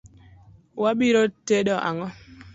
Wa biro tedo ang'o?